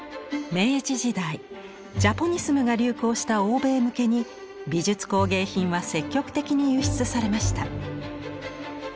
明治時代ジャポニスムが流行した欧米向けに美術工芸品は積極的に輸出されました。